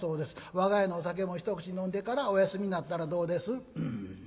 我が家のお酒も一口飲んでからおやすみになったらどうです？」。